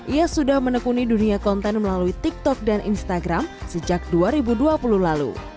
ia sudah menekuni dunia konten melalui tiktok dan instagram sejak dua ribu dua puluh lalu